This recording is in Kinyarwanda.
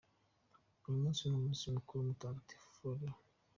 Uyu munsi ni umunsi mukuru wa Mutagatifu Florien .